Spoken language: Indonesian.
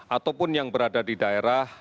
ataupun yang berada di daerah